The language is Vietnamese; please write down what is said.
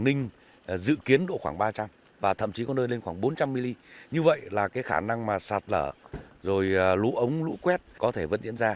ninh dự kiến độ khoảng ba trăm linh và thậm chí có nơi lên khoảng bốn trăm linh mm như vậy là cái khả năng mà sạt lở rồi lũ ống lũ quét có thể vẫn diễn ra